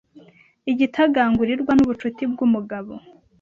igitagangurirwa nubucuti bwumugabo